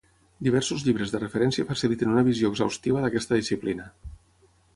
Diversos llibres de referència faciliten una visió exhaustiva d'aquesta disciplina.